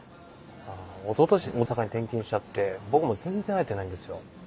あおととし大阪に転勤しちゃって僕も全然会えてないんですよ。